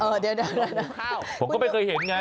เดี๋ยวผมก็ไม่เคยเห็นไง